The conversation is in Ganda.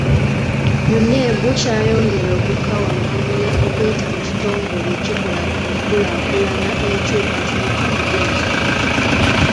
UNEB kyayongera okukawangamula okuyita mu kitongole ekikola ku nkulaakulana n’enkyukakyuka mu by’ensoma.